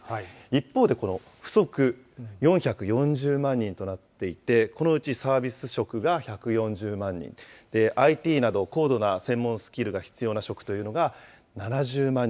一方で、この不足、４４０万人となっていて、このうちサービス職が１４０万人、ＩＴなど高度な専門スキルが必要な職というのが７